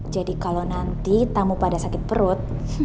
kalau nanti tamu pada sakit perut